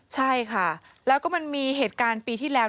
ใช่ค่ะและมีเหตุการณ์ปีที่แล้ว